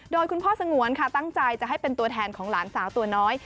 โดยคุณพ่อสงวนค่ะตั้งใจจะให้เป็นตัวแทนของหลานสาวตัวน้อย